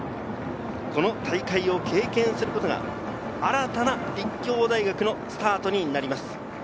この大会を経験することが新たな立教大学のスタートになります。